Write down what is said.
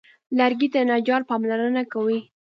لرګي ته نجار پاملرنه کوي.